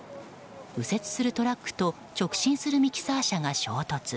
右折するトラックと直進するミキサー車が衝突。